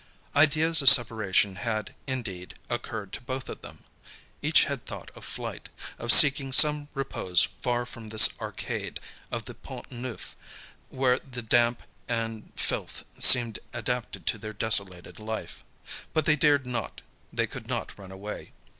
Ideas of separation had, indeed, occurred to both of them. Each had thought of flight, of seeking some repose far from this Arcade of the Pont Neuf where the damp and filth seemed adapted to their desolated life. But they dared not, they could not run away.